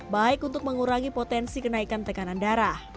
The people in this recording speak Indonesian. baik untuk mengurangi potensi kenaikan tekanan darah